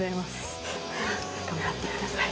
頑張ってください。